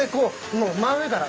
もう真上から。